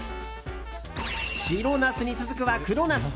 白ナスに続くは黒ナス。